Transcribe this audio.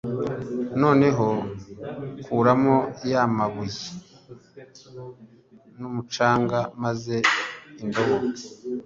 noneho kuramo ya mabuye n umucanga maze indobo